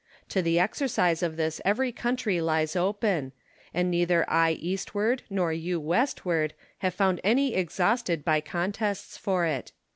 To the exercise of this every country lies open ; and neither I eastward nor you westward have found any exhausted by contests for it.